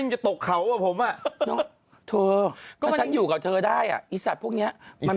ให้สัตว์พวกนี้